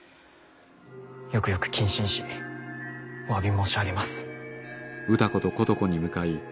よくよく謹慎しおわび申し上げます。